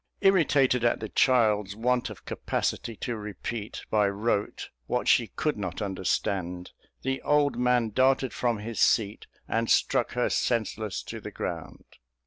Irritated at the child's want of capacity to repeat by rote what she could not understand, the old man darted from his seat, and struck her senseless to the ground.